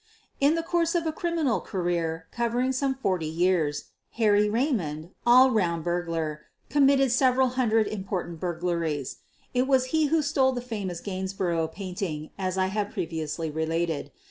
In the course of a criminal career covering some forty years, Harry Eaymond, all round burglar, committed several hundred important burglaries. It was he who stole the famous Gainsborough paint ing, as I have previously related.